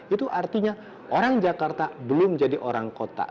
itu artinya orang jakarta belum jadi orang kota